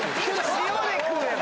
塩で食えば。